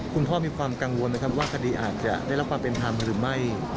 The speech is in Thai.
คุณพ่อมีความกังวลไหมครับว่าคดีอาจจะได้รับความเป็นธรรมหรือไม่